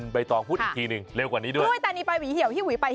ถ้าพูดผิดนะสุดท้ายเลย